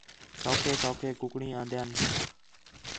سوکھے سوکھے کُکڑیں آندیانس